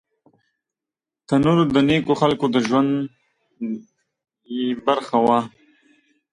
تنور د نیکو خلکو د ژوند برخه وه